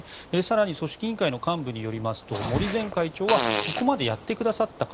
組織委員会幹部によりますと森前会長はここまでやってくださった方。